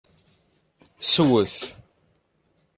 Swet.